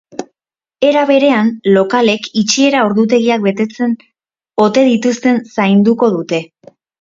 Era berean, lokalek itxiera ordutegiak betetzen ote dituzten zainduko dute.